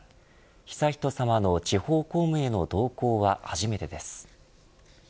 悠仁さまの地方公務への同行は初めてです。